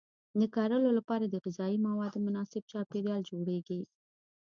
د کرلو لپاره د غذایي موادو مناسب چاپیریال جوړیږي.